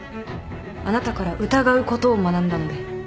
あなたから疑うことを学んだので。